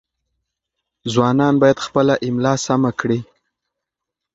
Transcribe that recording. ځوانان باید خپله املاء سمه کړي.